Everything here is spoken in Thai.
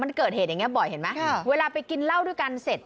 มันเกิดเหตุอย่างนี้บ่อยเห็นไหมเวลาไปกินเหล้าด้วยกันเสร็จ